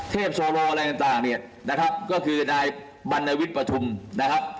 แต่บางคนเราสอบสุดบัตรความแล้วนะครับ